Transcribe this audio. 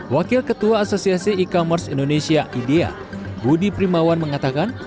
wakil ketua asosiasi e commerce indonesia idea budi primawan mengatakan